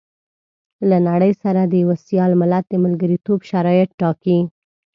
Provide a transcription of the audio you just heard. له نړۍ سره د يوه سيال ملت د ملګرتوب شرايط ټاکي.